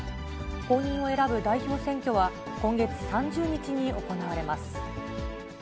後任を選ぶ代表選挙は、今月３０日に行われます。